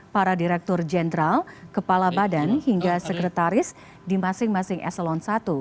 para direktur jenderal kepala badan hingga sekretaris di masing masing eselon i